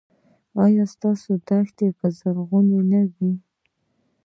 ایا ستاسو دښتې به زرغونې نه وي؟